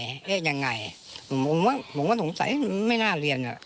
เรียกยังไงผมก็สงสัยมันไม่น่าเรียนอ่ะ